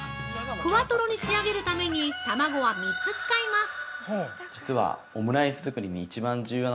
ふわとろに仕上げるために、卵は３つ使います！